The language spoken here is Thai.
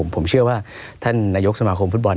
ผมเชื่อว่าท่านนายกสมาคมฟุตบอล